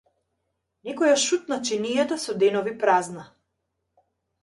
Некој ја шутна чинијата со денови празна.